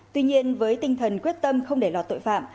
tuy nhiên với tinh thần quyết tâm không để lọt tội phạm